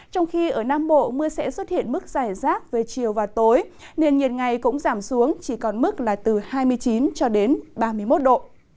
trong khi ở nam bộ mưa sẽ xuất hiện mức dài rác về chiều và tối nên nhiệt ngày cũng giảm xuống chỉ còn mức là từ hai mươi chín ba mươi một độ